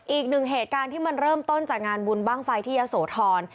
อีกหนึ่งเหตุการณ์ที่มันเริ่มต้นจากงานบุญบ้างไฟที่ยะโสธร